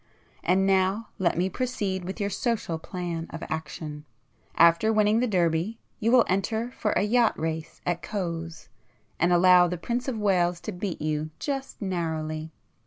And now let me proceed with your social plan of action. After winning the Derby you will enter for a yacht race at Cowes, and allow the Prince of Wales to beat you just narrowly.